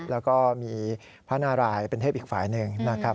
แล้วก็มีพระนารายเป็นเทพอีกฝ่ายหนึ่งนะครับ